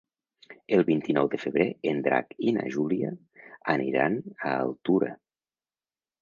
El vint-i-nou de febrer en Drac i na Júlia aniran a Altura.